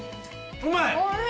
うまい！